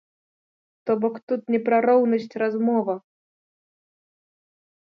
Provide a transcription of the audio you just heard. То-бок тут не пра роўнасць размова.